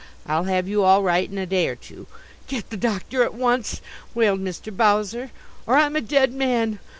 I'll have you all right in a day or two." "Get the doctor at once," wailed Mr. Bowser, "or I'm a dead man!